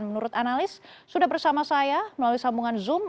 dan menurut analis sudah bersama saya melalui sambungan zoom